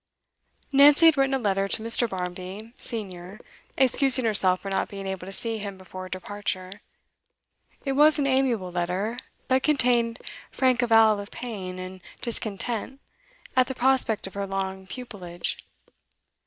Nancy had written a letter to Mr. Barmby, senior, excusing herself for not being able to see him before her departure; it was an amiable letter, but contained frank avowal of pain and discontent at the prospect of her long pupilage.